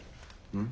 うん？